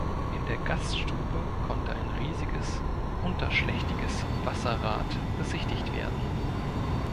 In der Gaststube konnte ein riesiges unterschlächtiges Wasserrad besichtigt werden.